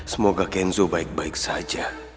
semoga kenzo baik baik saja